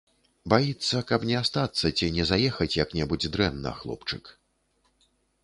Баіцца, каб не астацца ці не заехаць як-небудзь дрэнна, хлопчык.